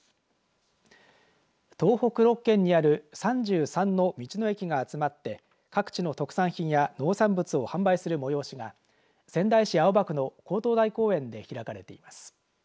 東北６県にある３３の道の駅が集まって各地の特産品や農産物を販売する催しが仙台市青葉区の勾当台公園で開かれています。